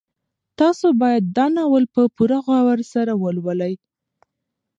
تاسو باید دا ناول په پوره غور سره ولولئ.